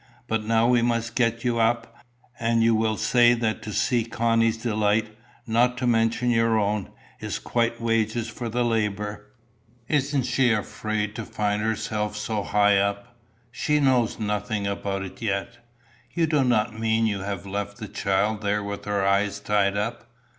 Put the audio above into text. But now we must get you up, and you will say that to see Connie's delight, not to mention your own, is quite wages for the labour." "Isn't she afraid to find herself so high up?" "She knows nothing about it yet." "You do not mean you have left the child there with her eyes tied up."